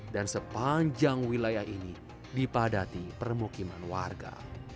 dan sepanjang wilayah ini dipadati permukiman warga